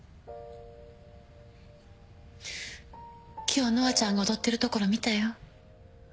今日乃愛ちゃんが踊ってるところ見たよ。